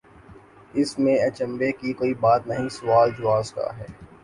اس میں اچنبھے کی کوئی بات نہیں سوال جواز کا ہے۔